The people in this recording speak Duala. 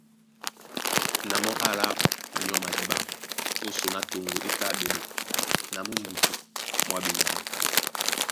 Na mɔ́ é alá nyɔ́ madíɓá ó son á toŋgo é tá ɓɛɓɛ na mú mbutu mwá ɓewudú.